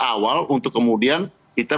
awal untuk kemudian kita